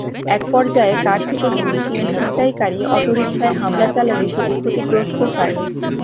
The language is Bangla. একপর্যায়ে কার থেকে নেমে তিন ছিনতাইকারী অটোরিকশায় হামলা চালালে সেটি ক্ষতিগ্রস্ত হয়।